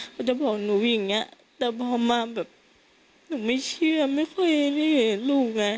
เขาจะบอกหนูอย่างเงี้ยแต่พอมาแบบหนูไม่เชื่อไม่ค่อยได้เห็นลูกไง